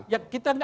kita gak bicara